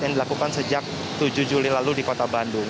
yang dilakukan sejak tujuh juli lalu di kota bandung